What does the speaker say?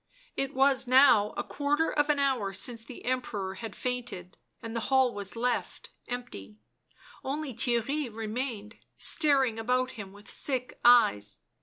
It was now a quarter of an hour since the Emperor had fainted, and the hall was left — empty. Only Theirry remained, staring about him with sick eyes.